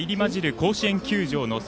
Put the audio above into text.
甲子園球場の空。